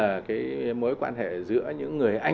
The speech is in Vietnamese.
anh phải xem xét lại cái quan hệ của anh với iran